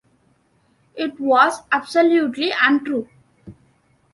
It was absolutely untrue?